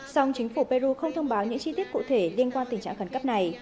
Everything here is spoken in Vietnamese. song chính phủ peru không thông báo những chi tiết cụ thể liên quan tình trạng khẩn cấp này